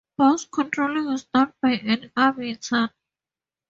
Bus controlling is done by an arbiter.